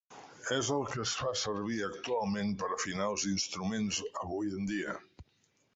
És el que es fa servir actualment per afinar els instruments avui en dia.